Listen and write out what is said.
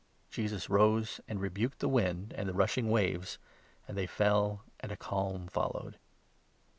Jesus rose and rebuked the wind and the rushing waves, and they fell, and a calm followed.